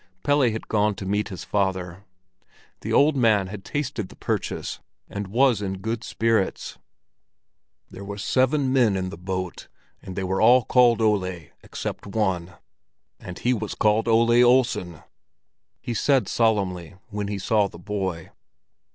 Pelle had gone to meet his father. The old man had tasted the purchase, and was in good spirits. "There were seven men in the boat, and they were all called Ole except one, and he was called Ole Olsen!" he said solemnly, when he saw the boy.